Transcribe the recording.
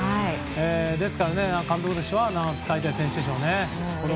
ですから、監督としては使いたい選手でしょうね。